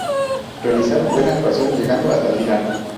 Realizaron buena actuación, llegando hasta la final.